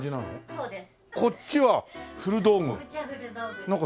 そうです。